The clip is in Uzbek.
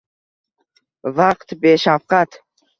Vaqt — beshafqat.